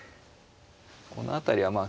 この辺りはまあ